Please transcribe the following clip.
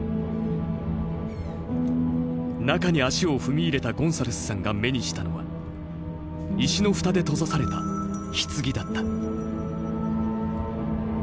中に足を踏み入れたゴンサレスさんが目にしたのは石の蓋で閉ざされた棺だった。